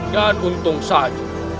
dan untung saja